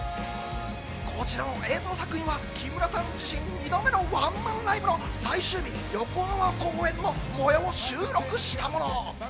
こちらの映像作品は木村さん自身２度目のワンマンライブの最終日・横浜公演の模様を収録したもの。